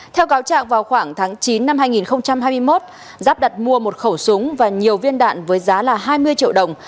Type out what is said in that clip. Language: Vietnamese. theo cáo trạng vào khoảng tháng chín năm hai nghìn hai mươi một giáp đặt mua một khẩu súng và nhiều viên đạn với giá là hai mươi triệu đồng